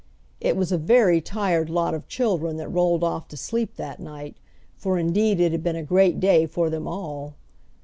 It was a very tired lot of children that rolled off to sleep that night, for indeed it had been a great day for them all.